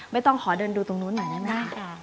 ไม่ต้องขอเดินดูตรงนู้นหน่อยได้ไหม